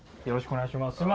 よろしくお願いします。